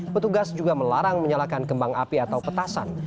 petugas juga melarang menyalakan kembang api atau petasan